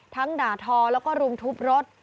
ทั้งดาทอแล้วก็รุ่มทุบรถ